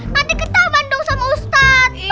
nanti ketahuan dong sama ustadz